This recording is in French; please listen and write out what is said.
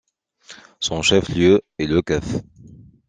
Son chef-lieu est Le Kef.